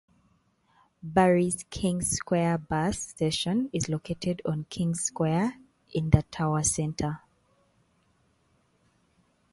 Barry's King's Square bus station is located on King's Square in the town centre.